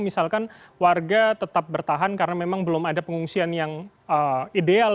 misalkan warga tetap bertahan karena memang belum ada pengungsian yang ideal